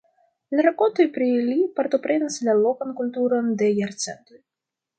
La rakontoj pri li partoprenas la lokan kulturon de jarcentoj.